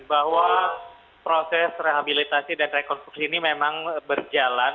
bahwa proses rehabilitasi dan rekonstruksi ini memang berjalan